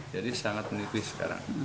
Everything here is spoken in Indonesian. jadi sangat menipis sekarang